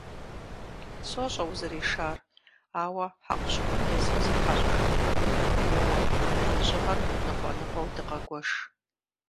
Сощӏэ узэрешар, ауэ хьэкъущыкъум езым зитхьэщӏыжынукъым. Еуэ, унэ лэжьыгъэр ныкъуэ ныкъуэу дыгъэгуэш.